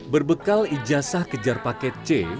berbekal ijazah kejar paket c